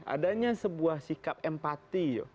adanya sebuah sikap empati